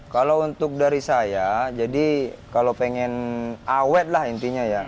kalau untuk dari saya jadi kalau pengen awet lah intinya ya